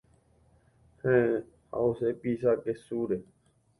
Héẽ, ha’use pizza kesúre.